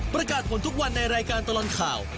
ประกาศผลทุกวันในรายการตลอดข่าว